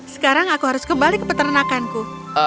sekarang aku harus kembali ke peternakanku